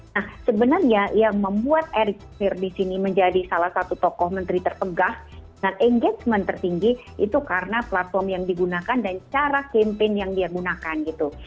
nah sebenarnya yang membuat erick thohir di sini menjadi salah satu tokoh menteri terpegah dengan engagement tertinggi itu karena platform yang digunakan dan cara campaign yang dia gunakan gitu